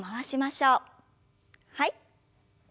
はい。